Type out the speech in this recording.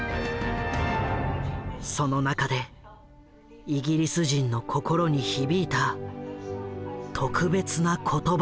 その中でイギリス人の心に響いた特別な言葉がある。